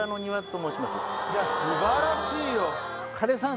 いや素晴らしいよ。